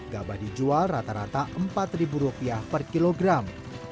gabah dijual rata rata rp empat per kilogram